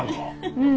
うん。